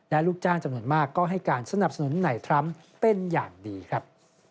และลูกจ้างจำนวนมากก็ให้การสนับสนุนในทรัมป์เป็นอย่างดีครับ